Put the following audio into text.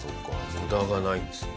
無駄がないんですね。